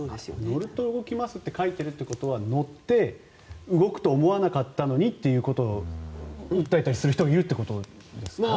乗ると動きますって書いてるってことは乗って動くと思わなかったのにということを訴えたりする人がいるということですか。